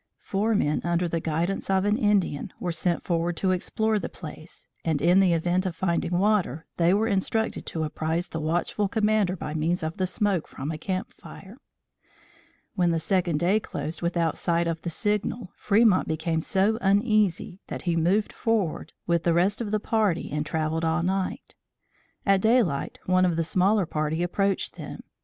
Four men under the guidance of an Indian, were sent forward to explore the place, and, in the event of finding water, they were instructed to apprise the watchful commander by means of the smoke from a camp fire. When the second day closed without sight of the signal, Fremont became so uneasy that he moved forward with the rest of the party and travelled all night. At daylight, one of the smaller party approached them.